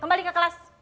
kembali ke kelas